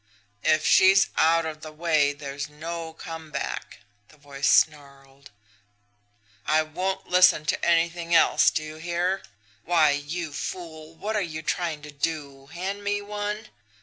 "'If she's out of the way, there's no come back,' the voice snarled. 'I won't listen to anything else! Do you hear! Why, you fool, what are you trying to do hand me one!